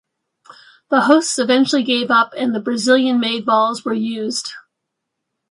The hosts eventually gave up and the Brazilian made balls were used.